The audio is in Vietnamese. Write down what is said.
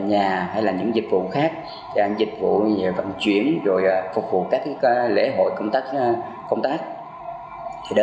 nhà hay là những dịch vụ khác dịch vụ vận chuyển rồi phục vụ các lễ hội công tác công tác thì để